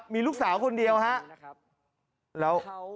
มีลูกสาวคนเดียวครับ